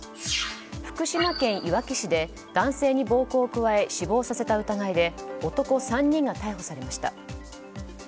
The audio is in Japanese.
福島県いわき市で男性に暴行を加え死亡させた疑いで男３人が逮捕されました。